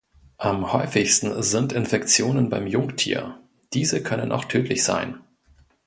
Am häufigsten sind Infektionen beim Jungtier, diese können auch tödlich sein.